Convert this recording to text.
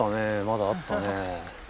まだあったね。